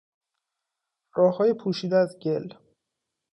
راههای پوشیده از گل